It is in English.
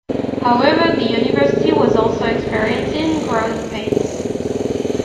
However, the university was also experiencing growing pains.